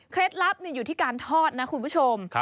ลับอยู่ที่การทอดนะคุณผู้ชม